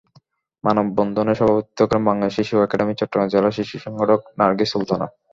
মানববন্ধনে সভাপতিত্ব করেন বাংলাদেশ শিশু একাডেমী চট্টগ্রামের জেলা শিশু সংগঠক নারগিস সুলতানা।